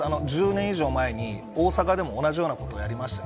１０年以上前に大阪でも同じようなことやりました。